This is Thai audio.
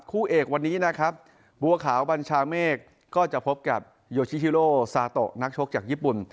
คู่เอกวันนี้นะครับบัวขาวบัญชาเมฆก็จะพบกับโยชิฮิโลซาโตะนักชกจากญี่ปุ่น